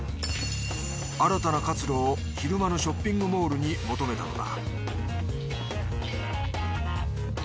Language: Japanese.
新たな活路を昼間のショッピングモールに求めたのだ